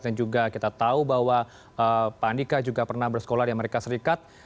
dan juga kita tahu bahwa pak andika juga pernah bersekolah di amerika serikat